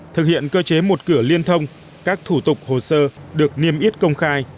thực hiện cơ chế một cửa liên thông các thủ tục hồ sơ được niêm yết công khai